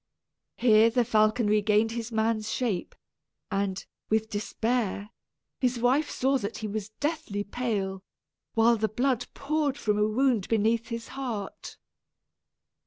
Here the falcon regained his man's shape, and, with despair, his wife saw that he was deathly pale, while the blood poured from a wound beneath his heart.